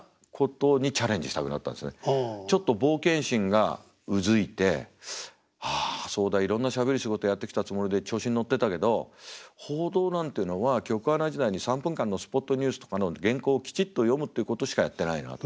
ちょっと冒険心がうずいてあそうだいろんなしゃべる仕事やってきたつもりで調子に乗ってたけど報道なんていうのは局アナ時代に３分間のスポットニュースとかの原稿をきちっと読むっていうことしかやってないなと。